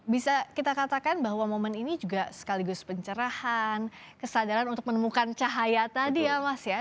bisa kita katakan bahwa momen ini juga sekaligus pencerahan kesadaran untuk menemukan cahaya tadi ya mas ya